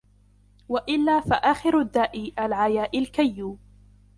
وَإِلَّا فَآخِرُ الدَّاءِ الْعَيَاءِ الْكَيُّ